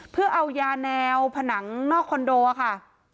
เพื่อเอายาแนวผนังนอกคอนโดค่ะ